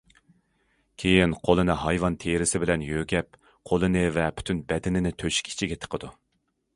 كېيىن قولىنى ھايۋان تېرىسى بىلەن يۆگەپ قولىنى ۋە پۈتۈن بەدىنىنى تۆشۈك ئىچىگە تىقىدۇ.